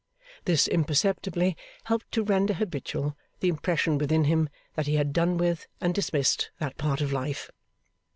This imperceptibly helped to render habitual the impression within him, that he had done with, and dismissed that part of life.